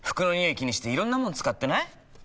気にしていろんなもの使ってない？